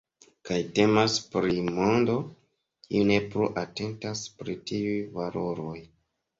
Kaj temas pri mondo, kiu ne plu atentas pri tiuj valoroj.